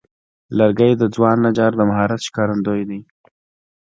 لرګی د ځوان نجار د مهارت ښکارندوی دی.